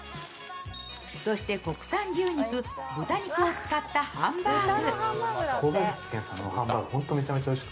そして国産牛肉、豚肉を使ったハンバーグ。